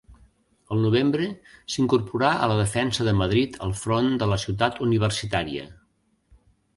El novembre s'incorporà a la defensa de Madrid al front de la Ciutat Universitària.